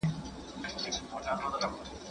جهاني کړي غزلونه د جانان په صفت ستړي